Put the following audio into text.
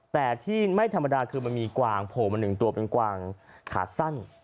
แต่ที่ไม่ธรรมดาคือมันมีกวางโผล่มา๑ตัวเป็นกวางขาสั้น